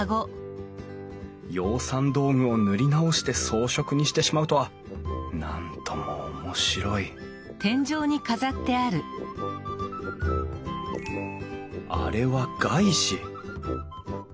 養蚕道具を塗り直して装飾にしてしまうとはなんとも面白いあれは碍子。